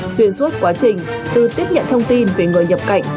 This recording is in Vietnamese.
xuyên suốt quá trình từ tiếp nhận thông tin về người nhập cảnh